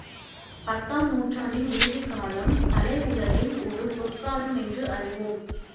பத்தாம் நூற்றாண்டின் இறுதிக் காலம், கலை உலகில் ஒரு பொற்காலம் என்று அறிவோம்.